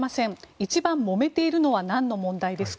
一番もめているのはなんの問題ですか。